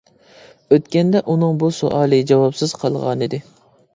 ئۆتكەندە ئۇنىڭ بۇ سوئالى جاۋابسىز قالغانىدى.